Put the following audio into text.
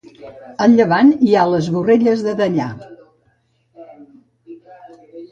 A llevant hi ha les Borrelles de Dellà.